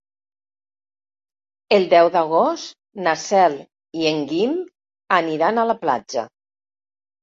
El deu d'agost na Cel i en Guim aniran a la platja.